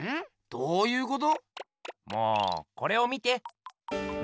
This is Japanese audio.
どうゆうこと？